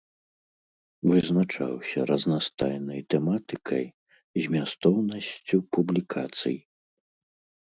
Вызначаўся разнастайнай тэматыкай, змястоўнасцю публікацый.